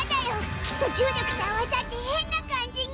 きっと重力と合わさって変な感じに。